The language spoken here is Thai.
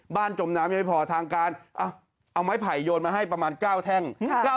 จมน้ำยังไม่พอทางการเอาไม้ไผ่โยนมาให้ประมาณ๙แท่ง